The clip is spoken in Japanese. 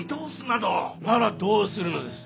ならどうするのです？